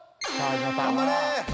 頑張れ！